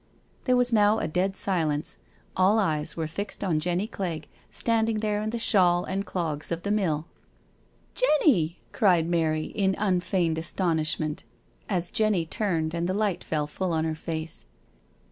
There was now a dead silence. All eyes were fixed on Jenny Clegg, standing there in the shawl and clogs of the mill. THE DINNER PARTY 239 " Jenny I " cried Mary, in unfeigned astonishment^ as Jenny, turned and the light fell full on her face.